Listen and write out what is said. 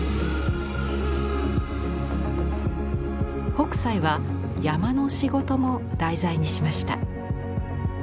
北斎は山の仕事も題材にしました。